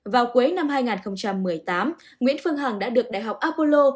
vào cuối năm hai nghìn một mươi tám nguyễn phương hằng đã được đại học apollo